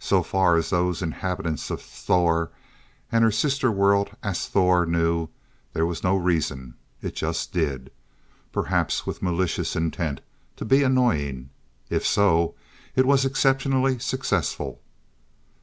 So far as those inhabitants of Sthor and her sister world Asthor knew, there was no reason. It just did it. Perhaps with malicious intent to be annoying. If so, it was exceptionally successful.